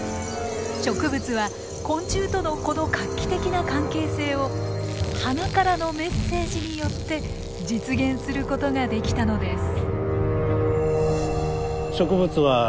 植物は昆虫とのこの画期的な関係性を花からのメッセージによって実現することができたのです。